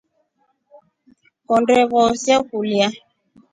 Honde vose kulya.